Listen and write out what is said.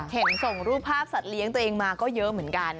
เห็นส่งรูปภาพสัตว์เลี้ยงตัวเองมาก็เยอะเหมือนกัน